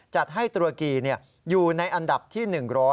จัดให้ตุรกีอยู่ในอันดับที่๑๐๐